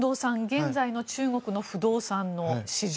現在の中国の不動産の市場